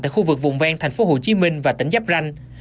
tại khu vực vùng ven thành phố hồ chí minh và tỉnh giáp ranh